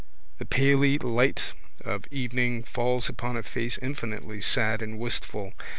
The paly light of evening falls upon a face infinitely sad and wistful.